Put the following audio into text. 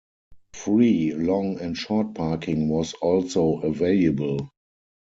Free long and short parking was also available.